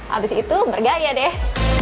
habis itu bergaya deh